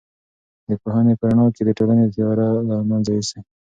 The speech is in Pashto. د پوهنې په رڼا کې د ټولنې تیاره له منځه ځي.